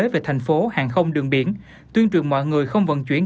về thành phố hàng không đường biển tuyên truyền mọi người không vận chuyển